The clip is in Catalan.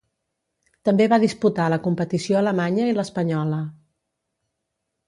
També va disputar la competició alemanya i l'espanyola.